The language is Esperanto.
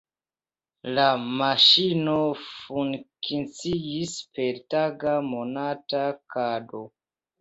La maŝino funkciis per taga, monata kodo.